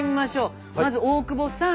まず大久保さん。